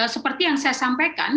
seperti yang saya sampaikan